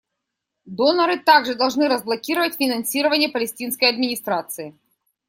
Доноры также должны разблокировать финансирование Палестинской администрации.